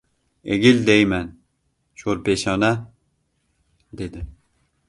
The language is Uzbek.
— Egil deyman, sho‘rpeshona! — dedi.